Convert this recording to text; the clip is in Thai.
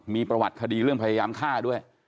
มีประวัติคดีเรื่องพยายามฆ่าด้วย